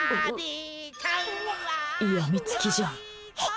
病みつきじゃ。